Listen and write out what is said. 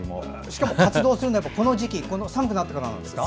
しかも活動するのはこの時期寒くなってからなんですか。